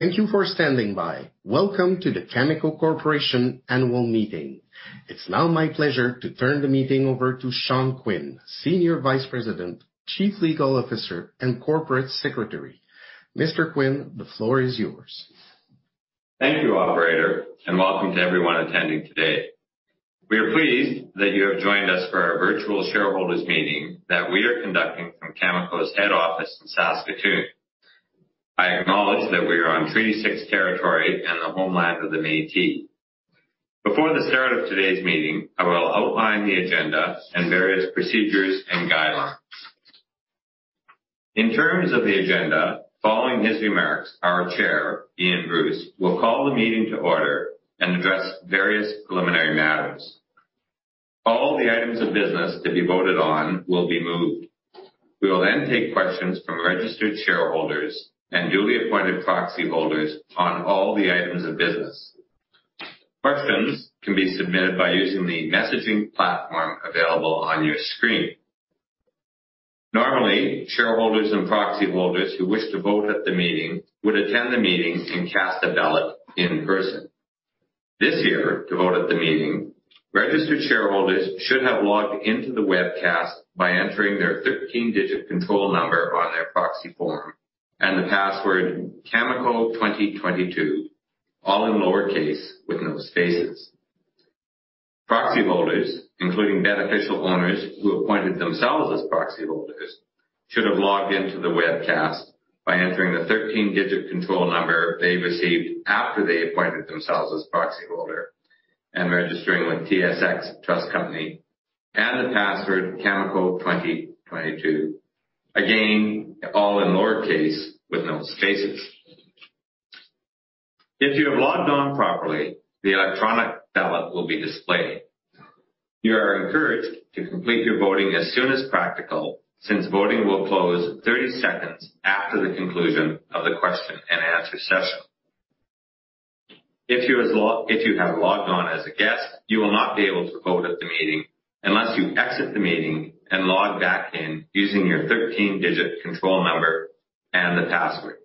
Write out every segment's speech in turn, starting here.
Thank you for standing by. Welcome to the Cameco Corporation annual meeting. It's now my pleasure to turn the meeting over to Sean Quinn, Senior Vice President, Chief Legal Officer, and Corporate Secretary. Mr. Quinn, the floor is yours. Thank you, operator, and welcome to everyone attending today. We are pleased that you have joined us for our virtual shareholders meeting that we are conducting from Cameco's head office in Saskatoon. I acknowledge that we are on Treaty 6 territory and the homeland of the Métis. Before the start of today's meeting, I will outline the agenda and various procedures and guidelines. In terms of the agenda, following his remarks, our chair, Ian Bruce, will call the meeting to order and address various preliminary matters. All the items of business to be voted on will be moved. We will then take questions from registered shareholders and duly appointed proxy holders on all the items of business. Questions can be submitted by using the messaging platform available on your screen. Normally, shareholders and proxy holders who wish to vote at the meeting would attend the meeting and cast a ballot in person. This year to vote at the meeting, registered shareholders should have logged into the webcast by entering their 13-digit control number on their proxy form and the password cameco2022, all in lowercase with no spaces. Proxy holders, including beneficial owners who appointed themselves as proxy holders, should have logged into the webcast by entering the 13-digit control number they received after they appointed themselves as proxy holder and registering with TSX Trust Company and the password cameco2022. Again, all in lowercase with no spaces. If you have logged on properly, the electronic ballot will be displayed. You are encouraged to complete your voting as soon as practical since voting will close 30 seconds after the conclusion of the question and answer session. If you have logged on as a guest, you will not be able to vote at the meeting unless you exit the meeting and log back in using your 13-digit control number and the password.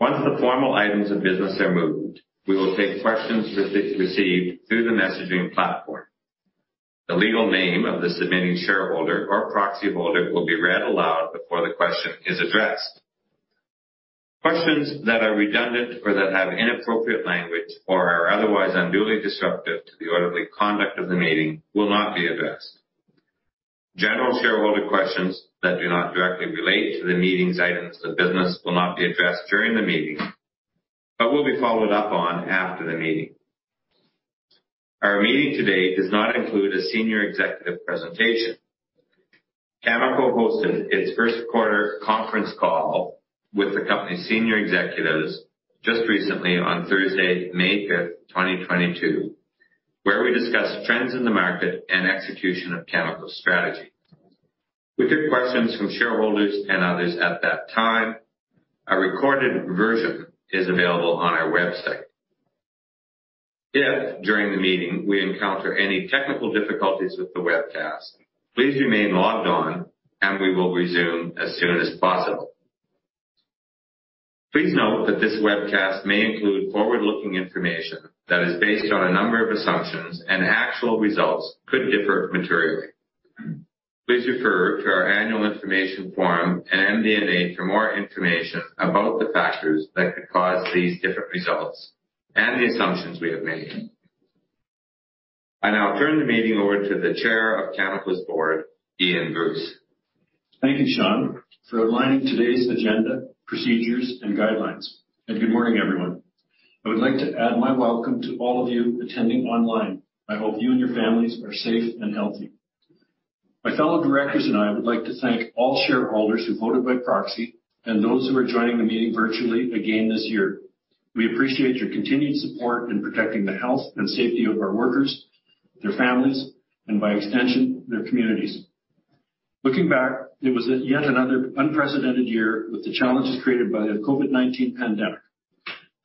Once the formal items of business are moved, we will take questions received through the messaging platform. The legal name of the submitting shareholder or proxy holder will be read aloud before the question is addressed. Questions that are redundant or that have inappropriate language or are otherwise unduly disruptive to the orderly conduct of the meeting will not be addressed. General shareholder questions that do not directly relate to the meeting's items of business will not be addressed during the meeting, but will be followed up on after the meeting. Our meeting today does not include a senior executive presentation. Cameco hosted its first quarter conference call with the company's senior executives just recently on Thursday, May 5th, 2022, where we discussed trends in the market and execution of Cameco strategy. We took questions from shareholders and others at that time. A recorded version is available on our website. If during the meeting we encounter any technical difficulties with the webcast, please remain logged on and we will resume as soon as possible. Please note that this webcast may include forward-looking information that is based on a number of assumptions and actual results could differ materially. Please refer to our annual information form and MD&A for more information about the factors that could cause these different results and the assumptions we have made. I now turn the meeting over to the chair of Cameco's board, Ian Bruce. Thank you, Sean, for outlining today's agenda, procedures, and guidelines. Good morning, everyone. I would like to add my welcome to all of you attending online. I hope you and your families are safe and healthy. My fellow directors and I would like to thank all shareholders who voted by proxy and those who are joining the meeting virtually again this year. We appreciate your continued support in protecting the health and safety of our workers, their families, and by extension, their communities. Looking back, it was yet another unprecedented year with the challenges created by the COVID-19 pandemic.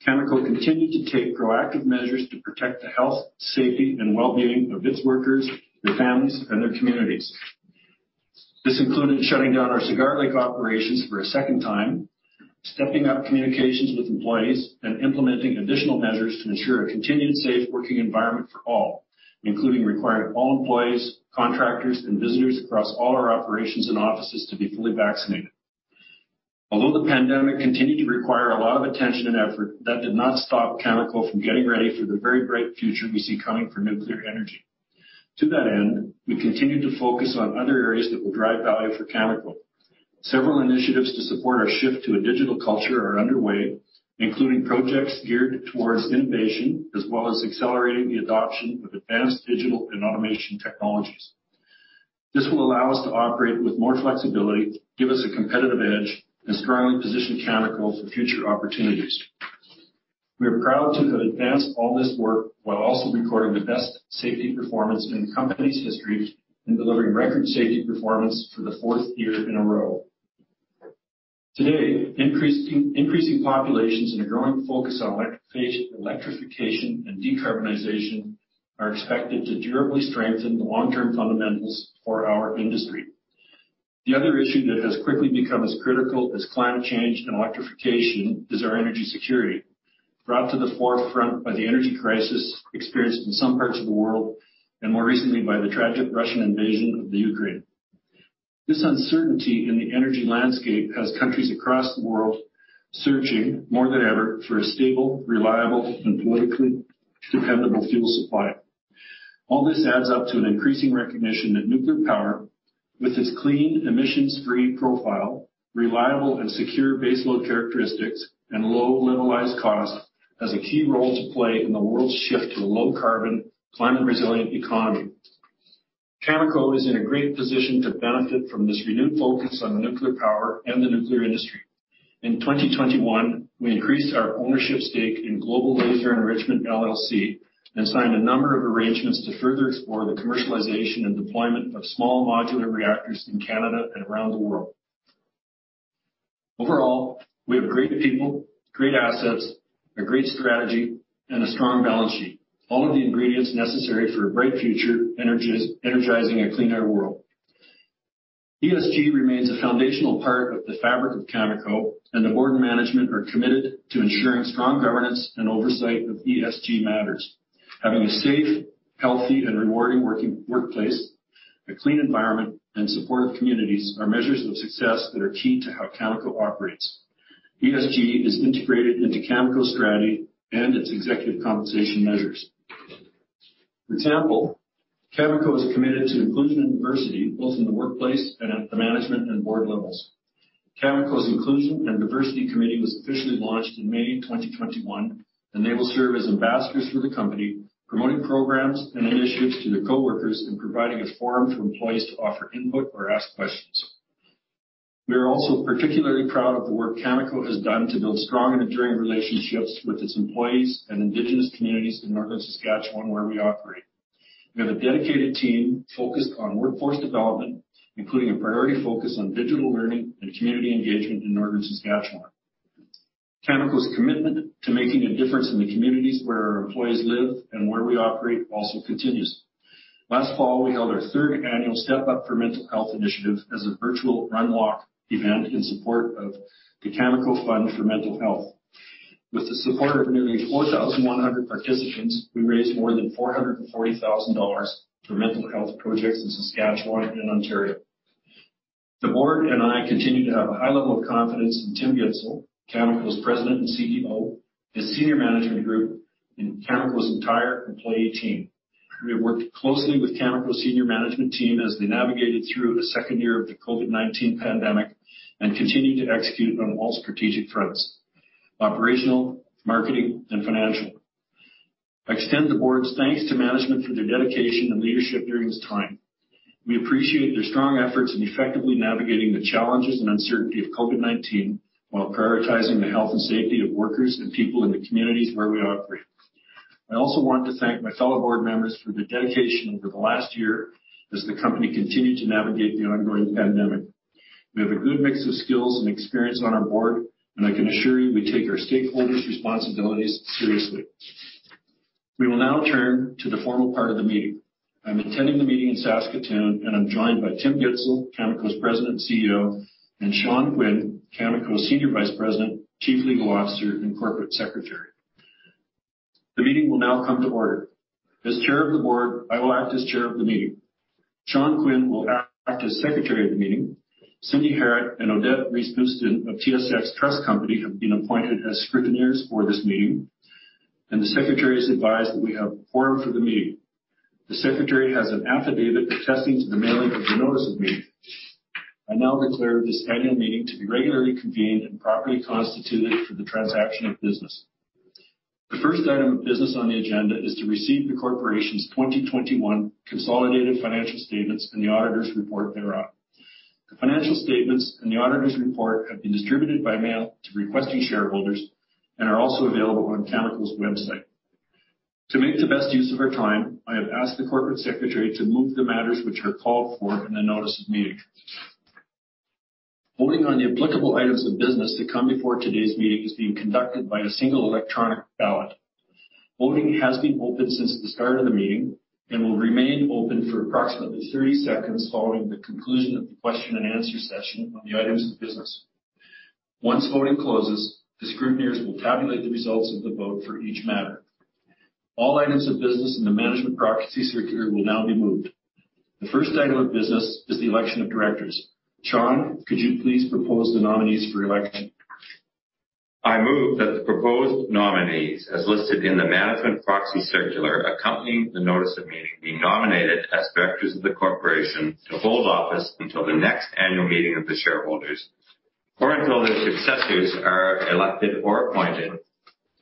Cameco continued to take proactive measures to protect the health, safety, and well-being of its workers, their families, and their communities. This included shutting down our Cigar Lake operations for a second time, stepping up communications with employees, and implementing additional measures to ensure a continued safe working environment for all, including requiring all employees, contractors, and visitors across all our operations and offices to be fully vaccinated. Although the pandemic continued to require a lot of attention and effort, that did not stop Cameco from getting ready for the very bright future we see coming for nuclear energy. To that end, we continued to focus on other areas that will drive value for Cameco. Several initiatives to support our shift to a digital culture are underway, including projects geared towards innovation as well as accelerating the adoption of advanced digital and automation technologies. This will allow us to operate with more flexibility, give us a competitive edge, and strongly position Cameco for future opportunities. We are proud to have advanced all this work while also recording the best safety performance in the company's history in delivering record safety performance for the fourth year in a row. Today, increasing populations and a growing focus on electrification and decarbonization are expected to durably strengthen the long-term fundamentals for our industry. The other issue that has quickly become as critical as climate change and electrification is our energy security. Brought to the forefront by the energy crisis experienced in some parts of the world, and more recently by the tragic Russian invasion of the Ukraine. This uncertainty in the energy landscape has countries across the world searching more than ever for a stable, reliable, and politically dependable fuel supply. All this adds up to an increasing recognition that nuclear power with its clean emissions-free profile, reliable and secure base load characteristics, and low levelized costs, has a key role to play in the world's shift to a low carbon, climate resilient economy. Cameco is in a great position to benefit from this renewed focus on nuclear power and the nuclear industry. In 2021, we increased our ownership stake in Global Laser Enrichment LLC, and signed a number of arrangements to further explore the commercialization and deployment of small modular reactors in Canada and around the world. Overall, we have great people, great assets, a great strategy, and a strong balance sheet. All of the ingredients necessary for a bright future energizing a cleaner world. ESG remains a foundational part of the fabric of Cameco and the board and management are committed to ensuring strong governance and oversight of ESG matters. Having a safe, healthy, and rewarding workplace, a clean environment, and supportive communities are measures of success that are key to how Cameco operates. ESG is integrated into Cameco's strategy and its executive compensation measures. For example, Cameco is committed to inclusion and diversity both in the workplace and at the management and board levels. Cameco's Inclusion and Diversity Committee was officially launched in May 2021, and they will serve as ambassadors for the company, promoting programs and initiatives to their coworkers in providing a forum for employees to offer input or ask questions. We are also particularly proud of the work Cameco has done to build strong and enduring relationships with its employees and Indigenous communities in northern Saskatchewan where we operate. We have a dedicated team focused on workforce development, including a priority focus on digital learning and community engagement in northern Saskatchewan. Cameco's commitment to making a difference in the communities where our employees live and where we operate also continues. Last fall, we held our third annual Step Up for Mental Health initiative as a virtual run walk event in support of the Cameco Fund for Mental Health. With the support of nearly 4,100 participants, we raised more than 440,000 dollars for mental health projects in Saskatchewan and Ontario. The board and I continue to have a high level of confidence in Tim Gitzel, Cameco's President and CEO, the senior management group, and Cameco's entire employee team. We have worked closely with Cameco senior management team as they navigated through the second year of the COVID-19 pandemic and continued to execute on all strategic fronts, operational, marketing, and financial. I extend the board's thanks to management for their dedication and leadership during this time. We appreciate their strong efforts in effectively navigating the challenges and uncertainty of COVID-19 while prioritizing the health and safety of workers and people in the communities where we operate. I also want to thank my fellow board members for their dedication over the last year as the company continued to navigate the ongoing pandemic. We have a good mix of skills and experience on our board, and I can assure you we take our stakeholders' responsibilities seriously. We will now turn to the formal part of the meeting. I'm attending the meeting in Saskatoon, and I'm joined by Tim Gitzel, Cameco's President and CEO, and Sean Quinn, Cameco's Senior Vice President, Chief Legal Officer, and Corporate Secretary. The meeting will now come to order. As Chair of the Board, I will act as Chair of the meeting. Sean Quinn will act as Secretary of the meeting. Cindy Harriett and Odette Rise Bustin of TSX Trust Company have been appointed as Scrutineers for this meeting, and the Secretary is advised that we have quorum for the meeting. The Secretary has an affidavit attesting to the mailing of the notice of meeting. I now declare this annual meeting to be regularly convened and properly constituted for the transaction of business. The first item of business on the agenda is to receive the corporation's 2021 consolidated financial statements and the auditor's report thereof. The financial statements and the auditor's report have been distributed by mail to requesting shareholders and are also available on Cameco's website. To make the best use of our time, I have asked the Corporate Secretary to move the matters which are called for in the notice of meeting. Voting on the applicable items of business to come before today's meeting is being conducted by a single electronic ballot. Voting has been open since the start of the meeting and will remain open for approximately 30 seconds following the conclusion of the question and answer session on the items of business. Once voting closes, the scriveners will tabulate the results of the vote for each matter. All items of business in the management proxy circular will now be moved. The first item of business is the election of directors. Sean, could you please propose the nominees for election? I move that the proposed nominees, as listed in the management proxy circular accompanying the notice of meeting, be nominated as directors of the corporation to hold office until the next annual meeting of the shareholders or until their successors are elected or appointed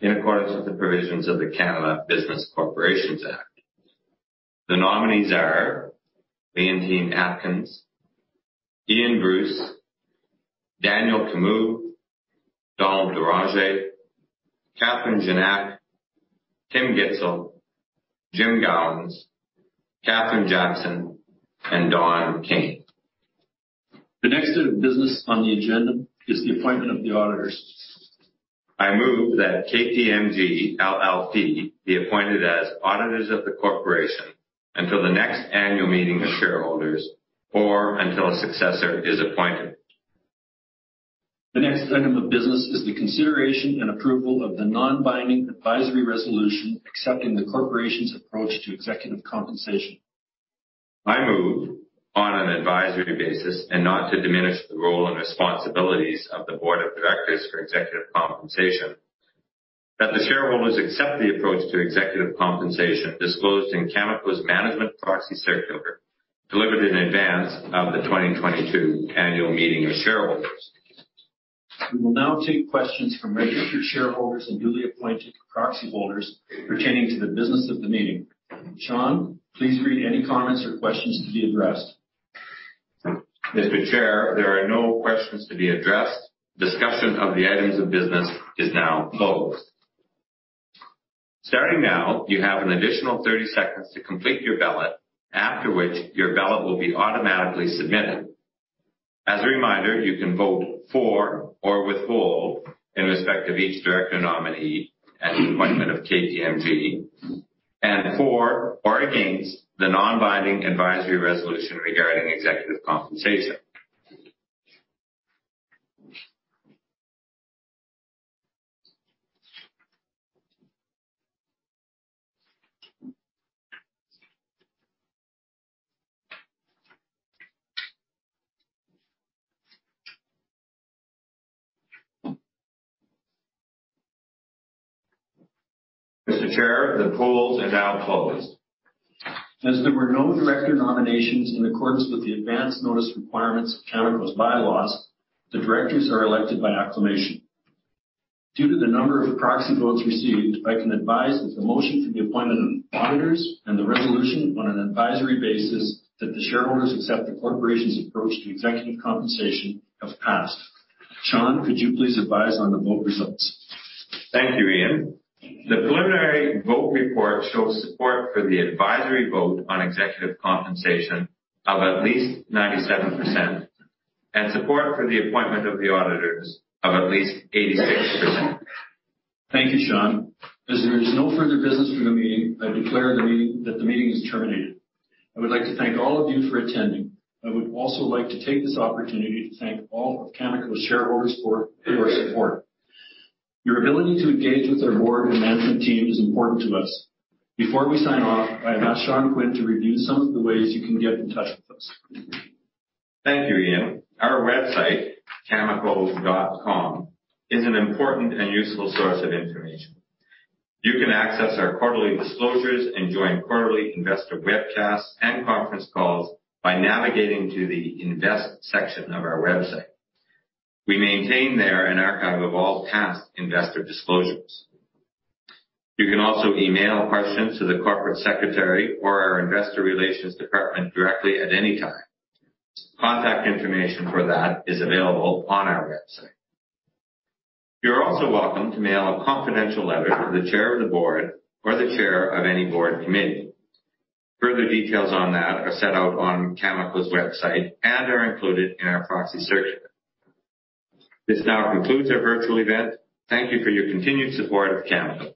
in accordance with the provisions of the Canada Business Corporations Act. The nominees are Leontine Atkins, Ian Bruce, Daniel Camus, Donald Deranger, Catherine Gignac, Tim Gitzel, Jim Gowans, Kathryn Jackson, and Don Kayne. The next order of business on the agenda is the appointment of the auditors. I move that KPMG LLP be appointed as auditors of the corporation until the next annual meeting of shareholders or until a successor is appointed. The next item of business is the consideration and approval of the non-binding advisory resolution accepting the corporation's approach to executive compensation. I move on an advisory basis and not to diminish the role and responsibilities of the board of directors for executive compensation, that the shareholders accept the approach to executive compensation disclosed in Cameco's management proxy circular delivered in advance of the 2022 annual meeting of shareholders. We will now take questions from registered shareholders and duly appointed proxy holders pertaining to the business of the meeting. Sean, please read any comments or questions to be addressed. Mr. Chair, there are no questions to be addressed. Discussion of the items of business is now closed. Starting now, you have an additional 30 seconds to complete your ballot, after which your ballot will be automatically submitted. As a reminder, you can vote for or withhold in respect of each director nominee and appointment of KPMG and for or against the non-binding advisory resolution regarding executive compensation. Mr. Chair, the polls are now closed. As there were no director nominations in accordance with the advance notice requirements of Cameco's bylaws, the directors are elected by acclamation. Due to the number of proxy votes received, I can advise that the motion for the appointment of auditors and the resolution on an advisory basis that the shareholders accept the corporation's approach to executive compensation have passed. Sean, could you please advise on the vote results? Thank you, Ian. The preliminary vote report shows support for the advisory vote on executive compensation of at least 97% and support for the appointment of the auditors of at least 86%. Thank you, Sean. As there is no further business for the meeting, I declare that the meeting is terminated. I would like to thank all of you for attending. I would also like to take this opportunity to thank all of Cameco's shareholders for your support. Your ability to engage with our board and management team is important to us. Before we sign off, I ask Sean Quinn to review some of the ways you can get in touch with us. Thank you, Ian. Our website, cameco.com, is an important and useful source of information. You can access our quarterly disclosures and join quarterly investor webcasts and conference calls by navigating to the invest section of our website. We maintain there an archive of all past investor disclosures. You can also email questions to the corporate secretary or our investor relations department directly at any time. Contact information for that is available on our website. You're also welcome to mail a confidential letter to the chair of the board or the chair of any board committee. Further details on that are set out on Cameco's website and are included in our proxy circular. This now concludes our virtual event. Thank you for your continued support of Cameco.